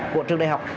của trường đại học